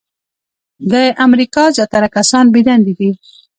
د امریکا زیاتره کسان بې دندې دي .